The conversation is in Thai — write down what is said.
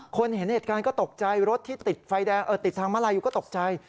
คนเห็นเหตุการณ์ก็ตกใจรถที่ติดทางม้าลายอยู่ก็ตกใจ